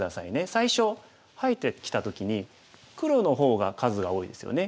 最初入ってきた時に黒の方が数が多いですよね。